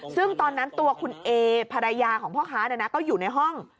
ซึ่งตอนนั้นตัวคุณเอภรรยาของพ่อค้าก็อยู่ในห้อง